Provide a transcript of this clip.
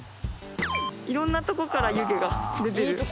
いろんなとこから湯気が出てる。